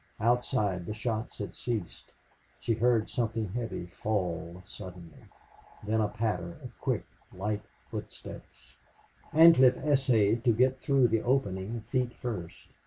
Outside the shots had ceased. She heard something heavy fall suddenly; then a patter of quick, light footsteps. Ancliffe essayed to get through the opening feet first.